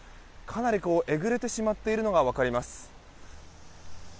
かなりえぐれてしまっているのが分かります。